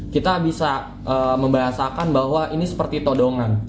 kita bisa membahasakan bahwa ini seperti todongan